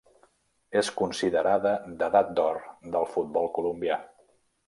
És considerada d'edat d'or del futbol colombià.